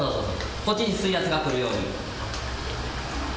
こっちに水圧がくるように。